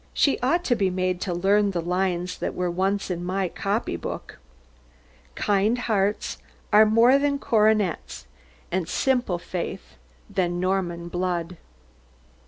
She ought to be made to learn the lines that were in my copy book once: "Kind hearts are more than coronets, And simple faith than Norman blood."